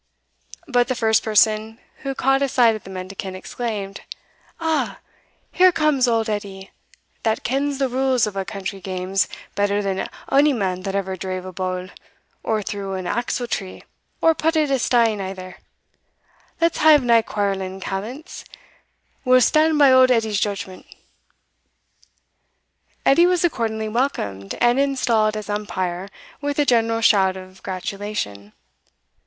But the first person who caught a sight of the mendicant exclaimed, "Ah! here comes auld Edie, that kens the rules of a' country games better than ony man that ever drave a bowl, or threw an axle tree, or putted a stane either; let's hae nae quarrelling, callants we'll stand by auld Edie's judgment." Edie was accordingly welcomed, and installed as umpire, with a general shout of gratulation.